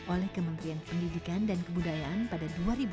oleh kementerian pendidikan dan kemudayaan pada dua ribu lima belas